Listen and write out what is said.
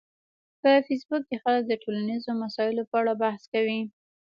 په فېسبوک کې خلک د ټولنیزو مسایلو په اړه بحث کوي